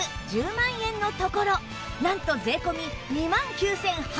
１０万円のところなんと税込２万９８００円